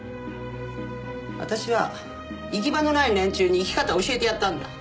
私は行き場のない連中に生き方を教えてやったんだ。